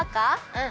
うん。